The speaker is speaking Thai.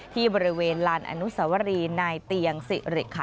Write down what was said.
ที่บริเวณลานอานุสวรีในเตียงเสรีไครร์นะคะ